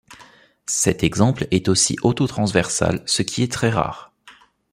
Cet exemple est aussi autotransversal, ce qui est très rare.